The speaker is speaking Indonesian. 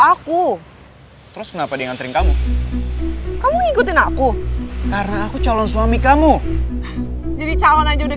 aku terus kenapa dia nganterin kamu kamu ngikutin aku karena aku calon suami kamu jadi calon aja udah